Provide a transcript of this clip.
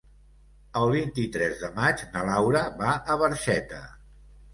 El vint-i-tres de maig na Laura va a Barxeta.